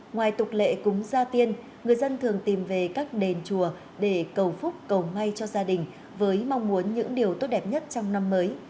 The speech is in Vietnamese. ngoài tục lệ cúng gia tiên người dân thường tìm về các đền chùa để cầu phúc cầu ngay cho gia đình với mong muốn những điều tốt đẹp nhất trong năm mới